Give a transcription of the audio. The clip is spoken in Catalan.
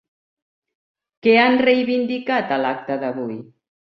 Què han reivindicat a l'acte d'avui?